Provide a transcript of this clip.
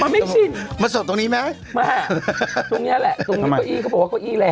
ไม่ชินมาสดตรงนี้ไหมมาตรงเนี้ยแหละตรงนี้เก้าอี้เขาบอกว่าเก้าอี้แรง